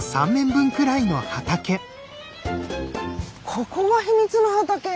ここが秘密の畑？